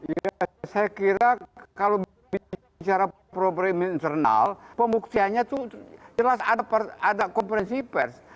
ya saya kira kalau bicara problem internal pembuktiannya itu jelas ada konferensi pers